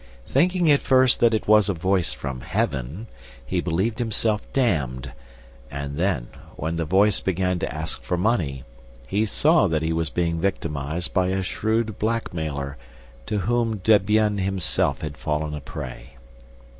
Thinking at first that it was a voice from Heaven, he believed himself damned; and then, when the voice began to ask for money, he saw that he was being victimized by a shrewd blackmailer to whom Debienne himself had fallen a prey.